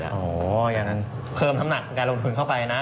อ๋อยังเพิ่มทั้งหมดการลงทุนเข้าไปนะ